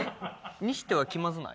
にしては気まずない？